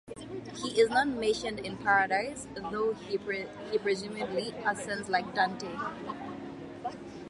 He is not mentioned in Paradise, though he presumably ascends like Dante.